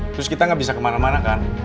terus kita nggak bisa kemana mana kan